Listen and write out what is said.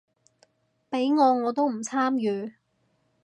畀我我都唔參與